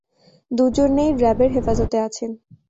দুজনে র্যাবের হেফাজতে আছেন।